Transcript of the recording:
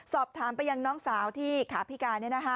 สอบถามไปยังน้องสาวที่ขาพิการ